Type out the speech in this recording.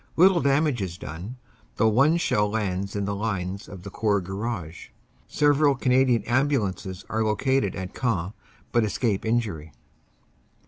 Little damage is done, though one shell lands in the lines of the Corps Garage. Several Canadian Ambulances are located at Queant but escape injury.